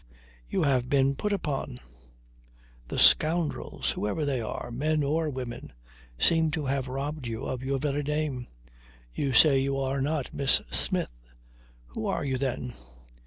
You have been put upon. The scoundrels whoever they are, men or women, seem to have robbed you of your very name. You say you are not Miss Smith. Who are you, then?"